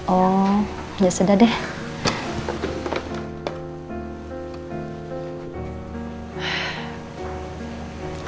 oh ya sudah deh